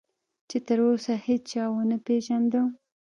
چې تراوسه هیچا ونه پېژانده.